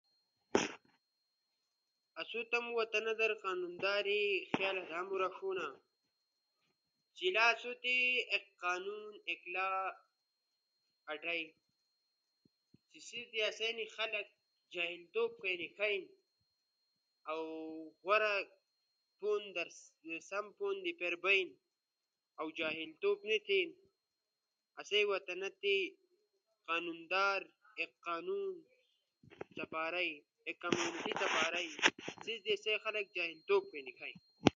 آسو تمو وطنا تی قانون دانے خیال آدامو رݜونا، چی لا آسو تی ایک قانون ایک لاء آٹئی۔ چی سیس کئی آسئی خلق جاہل توب کئی نیکھئی۔ اؤ سم پوندی پیر بئینا۔ اؤ جاہل توب نی تھینو۔ آسئی وطنا تی قانون دان ایک قانون سپارئے، سیس در آسئی خلق جاہل توب کئی نیکھئی۔